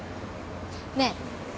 ねえ？